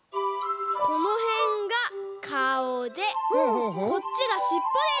このへんがかおでこっちがしっぽです！